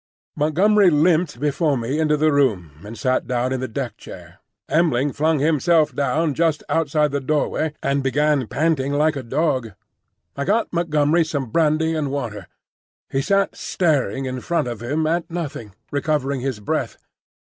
Montgomery limped before me into the room and sat down in the deck chair. M'ling flung himself down just outside the doorway and began panting like a dog. I got Montgomery some brandy and water. He sat staring in front of him at nothing, recovering his breath.